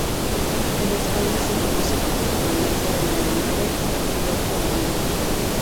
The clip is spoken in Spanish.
En España se conoce como comandante de la aeronave al piloto al mando.